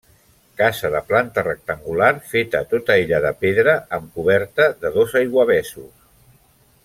Casa de planta rectangular, feta tota ella de pedra, amb coberta de dos aiguavessos.